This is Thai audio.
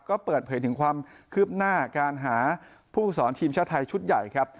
ก็เปิดเผยถึงความคืบหน้าการหาผู้สอนทีมชาติไทยชุดใหญ่ครับ